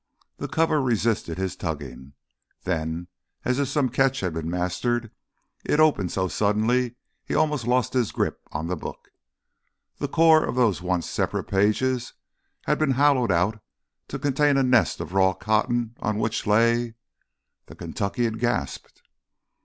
The cover resisted his tugging. Then, as if some catch had been mastered, it opened so suddenly he almost lost his grip on the book. The core of those once separate pages had been hollowed out to contain a nest of raw cotton on which lay ... The Kentuckian gasped.